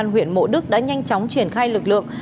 công an huyện mộ đức đã nhanh chóng triển khai lực lượng